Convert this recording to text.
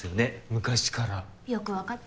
昔からよく分かっ